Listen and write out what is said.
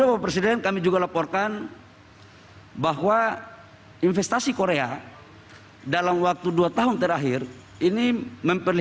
khususnya keperluan ekonomi dan teknologi